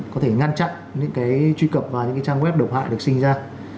có thể ngăn chặn những cái truy cập vào những cái trang web độc hại được sinh ra